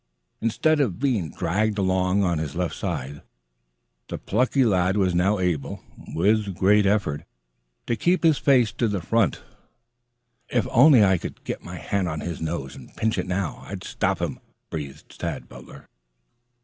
Instead of being dragged along on his left side, the plucky lad was now able, with great effort, to keep his face to the front. "If I could only get my hand on his nose and pinch it now, I'd stop him," breathed Tad Butler.